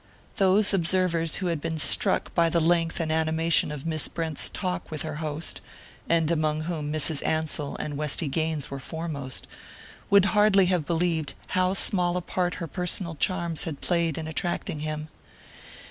Those observers who had been struck by the length and animation of Miss Brent's talk with her host and among whom Mrs. Ansell and Westy Gaines were foremost would hardly have believed how small a part her personal charms had played in attracting him.